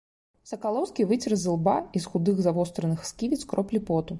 Сакалоўскі выцер з ілба і з худых завостраных сківіц кроплі поту.